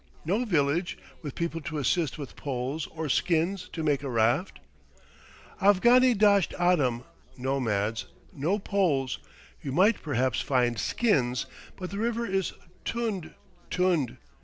"No village, with people to assist with poles or skins to make a raft?" "Afghani dasht adam (nomads), no poles; you might perhaps find skins; but the river is tund t u n d!